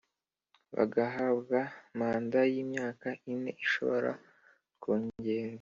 bagahabwa manda y imyaka ine ishobora ko ngerwa